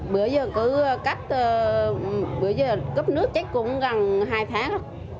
bữa giờ cứ cách bữa giờ cấp nước chắc cũng gần hai tháng